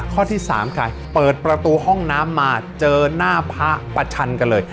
ข้อที่๓ใครเปิดประตูห้องน้ำมาเจอหน้าพระประชันกันเลย